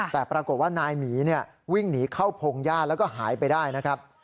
แต่ปรากฏว่านายหมีวิ่งหนีเข้าพงหญ้าแล้วก็หายไปได้นะครับ